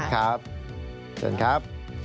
ครับเชิญครับ